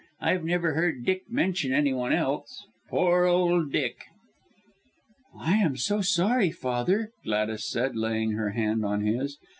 I've never heard Dick mention any one else. Poor old Dick!" "I am so sorry, father!" Gladys said, laying her hand on his.